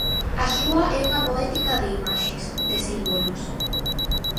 A súa é unha poética de imaxes, de símbolos.